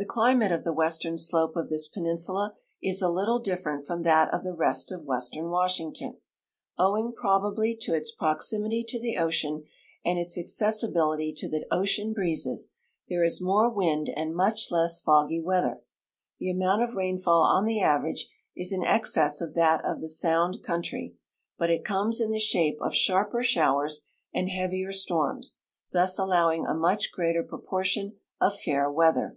The climate of the western slope of this peninsula is a little different from that of the rest of western Washington. Owing })robably to its proximity to the ocean and its acces.sibility to the ocean breezes, there is more wind and much le.ss foggy weather. The amount of rainfall on the average is in excess of that of the Sound country, but it comes in the shape of sharper showers and heavier storms, thus allowing a much greater proportion of fair weather.